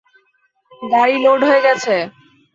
গাড়ি লোড হয়ে গেছে।